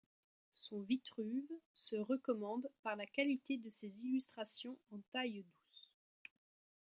Son Vitruve se recommande par la qualité de ses illustrations en taille-douce.